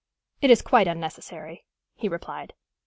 "It is quite unnecessary," he replied.